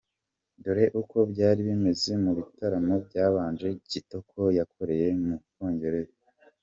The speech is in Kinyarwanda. Dore uko byari bimeze mu bitaramo byabanje Kitoko yakoreye mu Bwongereza :.